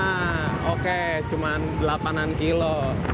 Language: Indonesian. nah oke cuma delapanan kilo